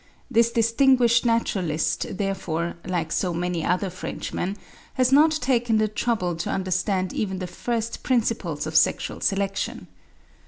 This distinguished naturalist, therefore, like so many other Frenchmen, has not taken the trouble to understand even the first principles of sexual selection.